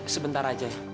sebentar aja ya